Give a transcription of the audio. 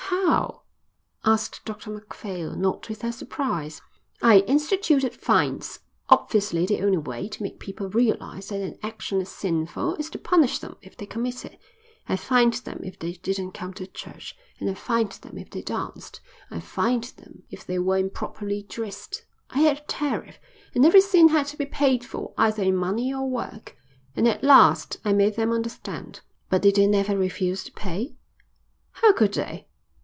"How?" asked Dr Macphail, not without surprise. "I instituted fines. Obviously the only way to make people realise that an action is sinful is to punish them if they commit it. I fined them if they didn't come to church, and I fined them if they danced. I fined them if they were improperly dressed. I had a tariff, and every sin had to be paid for either in money or work. And at last I made them understand." "But did they never refuse to pay?" "How could they?"